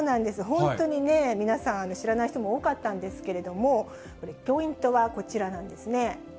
本当にね、皆さん、知らない人も多かったんですけれども、ポイントはこちらなんですね。